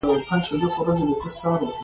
د "ژ" حرف د پښتو ځانګړی حرف دی.